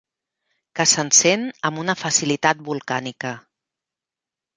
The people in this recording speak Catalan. Que s'encén amb una facilitat volcànica.